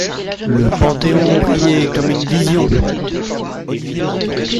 Le Panthéon brillait comme une vision.